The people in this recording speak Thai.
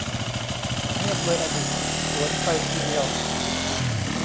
เงียบเลยอะดิ สวนไปทีเดียว